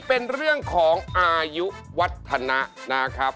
เป็นเรื่องของอายุวัฒนะนะครับ